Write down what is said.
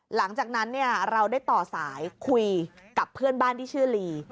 หลังจากนั้นเราได้ต่อสายคุยกับเพื่อนบ้านที่ชื่อลี